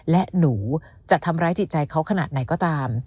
และหนูจะทำร้ายจิตใจเขาขนาดไหนก็ตาม